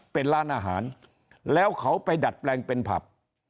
เป็นร้านอาหารแล้วเขาไปดัดแปลงเป็นผับ